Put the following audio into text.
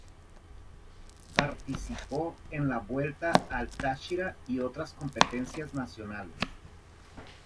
Participó en la Vuelta al Táchira y otras competencias nacionales.